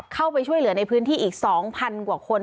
เข้าไปช่วยเหลือในพื้นที่อีก๒๐๐กว่าคน